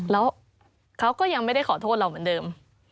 แล้วเขาก็ยังไม่ได้ขอโทษเราเหมือนเดิม